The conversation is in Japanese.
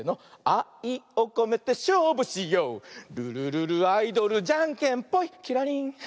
「あいをこめてしょうぶしよう」「ルルルルアイドルじゃんけんぽい！」